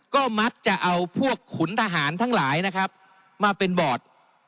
ก็มักจะเอาพวกขุนทหารทั้งหลายนะครับมาเป็นบอร์ด